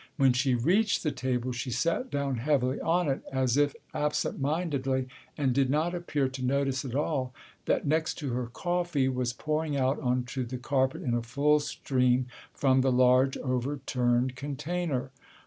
When she reached the table, she sat down heavily on it, as if absent mindedly, and did not appear to notice at all that next to her coffee was pouring out onto the carpet in a full stream from the large overturned container.